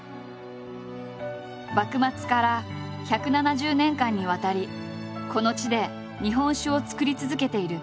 幕末から１７０年間にわたりこの地で日本酒を造り続けている。